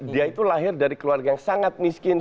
dia itu lahir dari keluarga yang sangat miskin